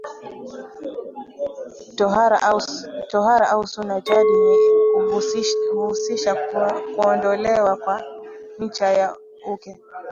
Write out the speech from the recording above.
Tohara au Sunna jadi hii inahusisha kuondolewa kwa ncha ya uke